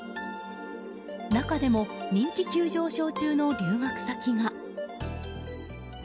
中でも人気急上昇中の留学先が。